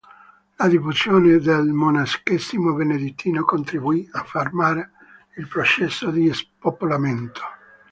La diffusione del monachesimo benedettino contribuì a fermare il processo di spopolamento.